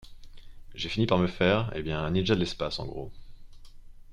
J'ai fini par me faire, eh bien... un ninja de l'espace, en gros.